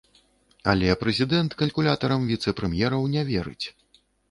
Але прэзідэнт калькулятарам віцэ-прэм'ераў не верыць.